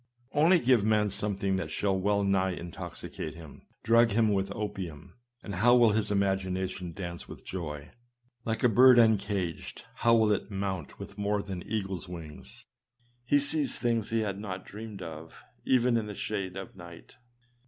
Only give man something that shall w r ell nigh intoxicate him ; drug him with opium ; and how will his imagination dance with joy ! Like a bird uncaged, how^ will it mount with more than eagle's wings ! He sees things he had not dreamed of even in the shades of night.